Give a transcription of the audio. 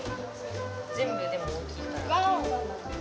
全部でも大きいから。わお！